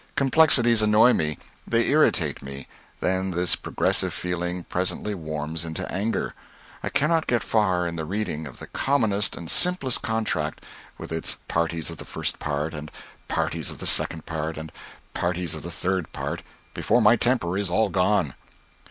Complexities annoy me; they irritate me; then this progressive feeling presently warms into anger. I cannot get far in the reading of the commonest and simplest contract with its "parties of the first part," and "parties of the second part," and "parties of the third part," before my temper is all gone.